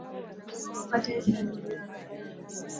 ya kwamba tenzi na mashairi vinafuata muundo